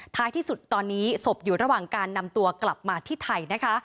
ท้ายที่สุดตอนนี้ศพอยู่ระหว่างการนำตัวกลับมาที่ไทยนะคะ